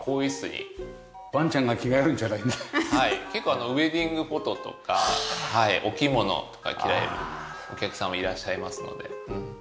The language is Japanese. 結構ウェディングフォトとかお着物とか着られるお客様いらっしゃいますので。